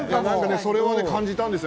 それを感じたんですよ。